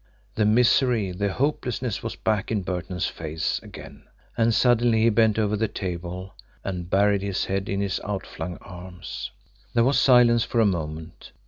The misery, the hopelessness was back in Burton's face again and suddenly he bent over the table and buried his head in his outflung arms. There was silence for a moment.